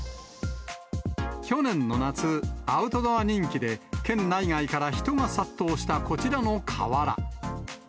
去年の夏、アウトドア人気で、県内外から人が殺到したこちらの河原。